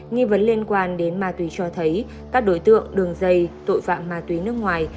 nghi vấn liên quan đến ma túy cho thấy các đối tượng đường dây tội phạm ma túy nước ngoài